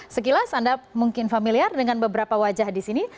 sekilas anda mungkin familiar dengan beberapa wajah di sini